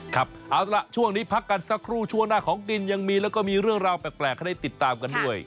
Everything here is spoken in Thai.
ครับเอาล่ะช่วงนี้พักกันสักครู่ช่วงหน้าของกินยังมีแล้วก็มีเรื่องราวแปลกให้ได้ติดตามกันด้วย